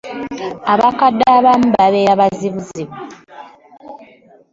Abakadde abamu babeera bazibuzibu.